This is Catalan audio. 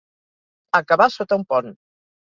Acabar sota un pont.